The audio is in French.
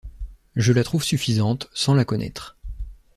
Je la trouve suffisante, sans la connaître.